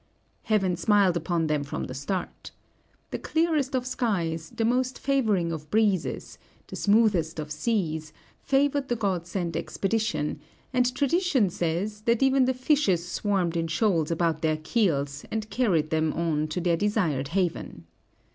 Heaven smiled upon them from the start. The clearest of skies, the most favoring of breezes, the smoothest of seas, favored the god sent expedition; and tradition says that even the fishes swarmed in shoals about their keels, and carried them on to their desired haven.